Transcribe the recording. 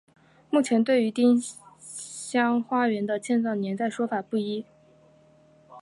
目前对于丁香花园的建造年代说法不一。